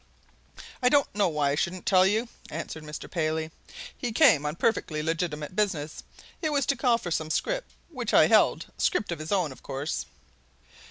"I don't know why I shouldn't tell you," answered Mr. Paley. "He came on perfectly legitimate business. It was to call for some scrip which I held scrip of his own, of course."